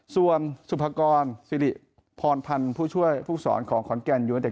ส่วนสุภกรสิริพรพันธ์ผู้ช่วยผู้สอนของขอนแก่นยูเนเต็